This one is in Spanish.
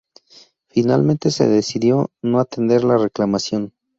Finalmente se decidió no atender la reclamación.